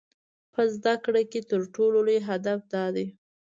په زده کړه کې تر ټولو لوی هدف دا دی.